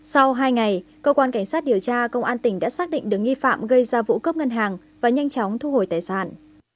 sau hai ngày cơ quan cảnh sát điều tra công an tỉnh đã xác định được nghi phạm gây ra vụ cướp ngân hàng và nhanh chóng thu hồi tài sản